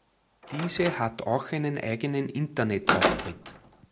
Diese hat auch einen eigenen Internetauftritt.